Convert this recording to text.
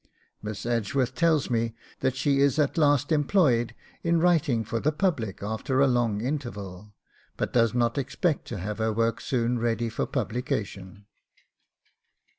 Miss Edgeworth tells me that she is at last employed in writing for the public after a long interval, but does not expect to have her work soon ready for publication.